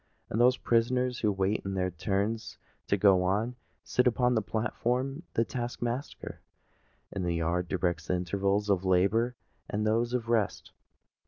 Those prisoners who wait their turns to go on, sit upon the platform; and the task master in the yard directs the intervals of labour and those of rest.